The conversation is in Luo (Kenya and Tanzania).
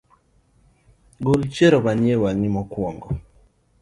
Gol chiero mani ewang’I mokuongo